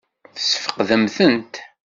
Tesfeqdemt-tent?